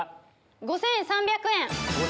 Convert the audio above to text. ５３００円。